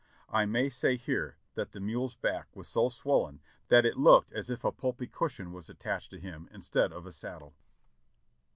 I may say here that the mule's back was so swollen that it looked as if a pulpy cushion was attached to him instead of a saddle.